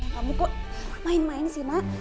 kamu kok main main sih nak